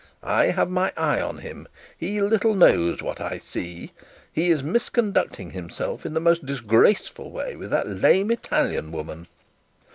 I have my eye on him; he little knows what I see. He is misconducting himself in the most disgraceful way with that lame Italian woman.